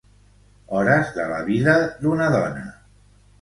Hores de la vida d'una dona'